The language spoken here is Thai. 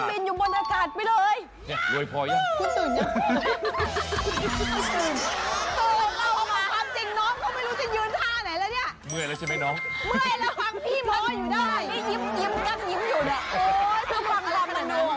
คุณขึ้นบินอยู่บนอากาศไปเลยคุณตื่นหรือเปล่าคะนี่เหลือพอหรือเปล่าคะ